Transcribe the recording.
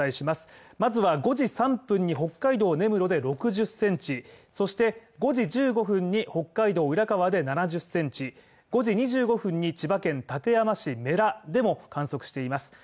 まずは５時３分に北海道根室で６０センチ、そして５時１５分に北海道浦河で７０センチ、５時２５分に千葉県館山市布良でも観測しています。